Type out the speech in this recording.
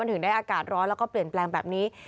ถึงได้อากาศร้อนแล้วก็เปลี่ยนแปลงแบบนี้